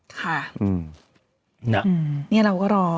ค่ะนี่เราก็รอ